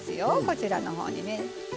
こちらのほうにね。